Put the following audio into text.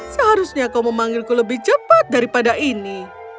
seharusnya kau memanggilku lebih cepat daripada ini